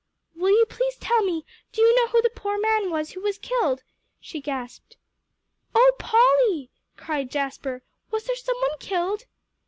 "Will you please tell me do you know who the poor man was who was killed?" she gasped. "Oh Polly," cried Jasper, "was there some one killed?"